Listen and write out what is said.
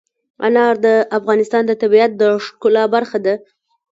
انار د افغانستان د طبیعت د ښکلا برخه ده.